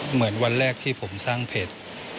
เหมือนวันแรกที่ผมสร้างเพจ